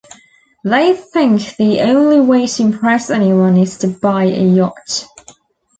They think the only way to impress anyone is to buy a yacht.